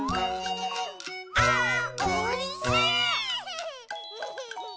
「あーおいしい！」